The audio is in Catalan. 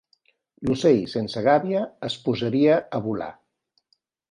L'ocell sense gàbia es posaria a volar